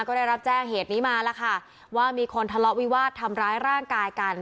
ก็ได้รับแจ้งเหตุนี้มาแล้วค่ะว่ามีคนทะเลาะวิวาสทำร้ายร่างกายกัน